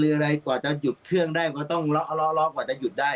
เรืออะไรกว่าจะหยุดเครื่องได้ก็ต้องรอรอรอกว่าจะหยุดได้